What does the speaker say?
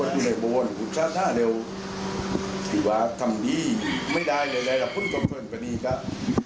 โดดูท่านหารักแสดงกันนะครับ